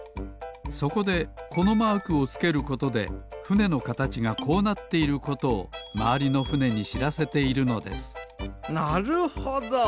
そこでこのマークをつけることでふねのかたちがこうなっていることをまわりのふねにしらせているのですなるほど。